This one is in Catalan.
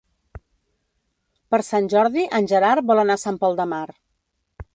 Per Sant Jordi en Gerard vol anar a Sant Pol de Mar.